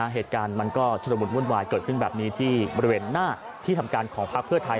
เหตุการณ์มันก็ชุดละมุนวุ่นวายเกิดขึ้นแบบนี้ที่บริเวณหน้าที่ทำการของพักเพื่อไทย